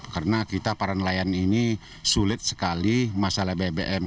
karena kita para nelayan ini sulit sekali masalah bbm